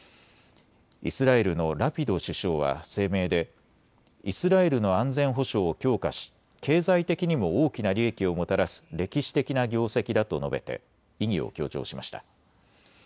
イスラエルのラピド首相は声明でイスラエルの安全保障を強化し経済的にも大きな利益をもたらす歴史的な業績だと述べて意義を強調しました。